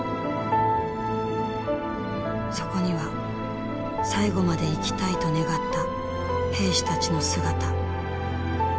そこには最期まで生きたいと願った兵士たちの姿。